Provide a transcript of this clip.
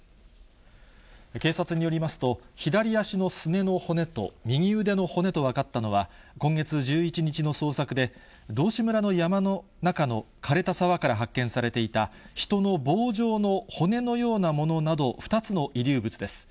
警察によりますと、左足のすねの骨と、右腕の骨と分かったのは、今月１１日の捜索で、道志村の山の中のかれた沢から発見されていた人の棒状の骨のようなものなど、２つの遺留物です。